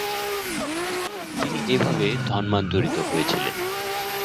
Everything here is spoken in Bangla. তিনি এভাবে ধর্মান্তরিত হয়েছিলেন।